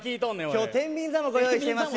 今日はてんびん座もご用意してます。